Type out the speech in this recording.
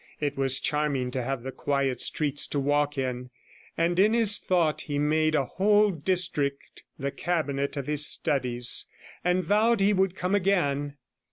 It was charming to have the quiet streets to walk in, and in his thought he made a whole district the cabinet of his studies, and vowed he would come again.